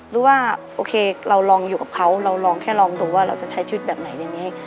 หรือว่าโอเคเราลองอยู่กับเขาเราลองแค่ลองดูว่าเราจะใช้ชีวิตแบบไหนอย่างนี้